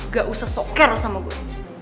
gak usah sok care sama gue